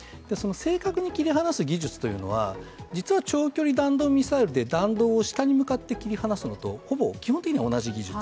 正確に切り離す技術というのは実は長距離弾道ミサイルで弾道を下に向かって切り離すのと基本的には同じ技術。